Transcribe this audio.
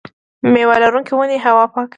میوه لرونکې ونې هوا پاکوي.